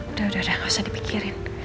udah udah gak usah dipikirin